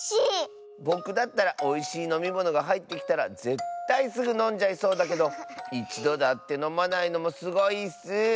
ぼくだったらおいしいのみものがはいってきたらぜったいすぐのんじゃいそうだけどいちどだってのまないのもすごいッス。